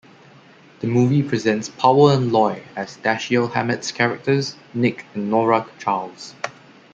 The movie presents Powell and Loy as Dashiell Hammett's characters Nick and Nora Charles.